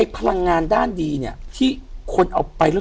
พลังงานด้านดีเนี่ยที่คนเอาไปแล้ว